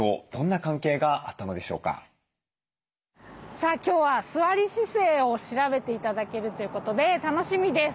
さあ今日は座り姿勢を調べて頂けるということで楽しみです。